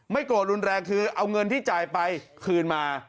โกรธรุนแรงคือเอาเงินที่จ่ายไปคืนมา